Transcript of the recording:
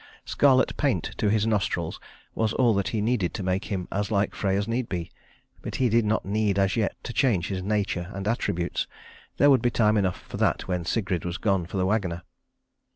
Scarlet paint to his nostrils was all that he needed to make him as like Frey as need be; but he did not need as yet to change his nature and attributes. There would be time enough for that when Sigrid was gone for the wagoner.